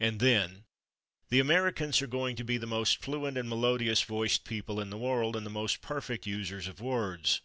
And then: "The Americans are going to be the most fluent and melodious voiced people in the world and the most perfect users of words.